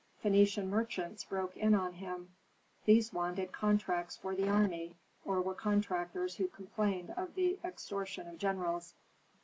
Phœnician merchants broke in on him; these wanted contracts for the army, or were contractors who complained of the extortion of generals.